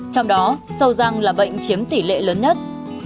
trong đó sâu răng là bệnh chiếm tỷ lệ lớn nhất